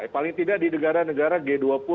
paling tidak di negara negara g dua puluh